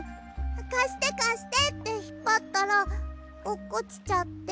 「かしてかして」ってひっぱったらおっこちちゃって。